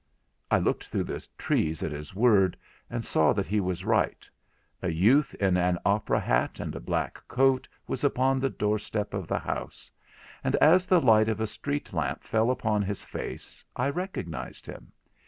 I looked through the trees at his word, and saw that he was right. A youth in an opera hat and a black coat was upon the doorstep of the house; and as the light of a street lamp fell upon his face, I recognized him.